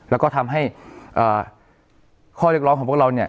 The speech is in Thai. แล้วก็ทำให้ข้อเรียกร้องของพวกเราเนี่ย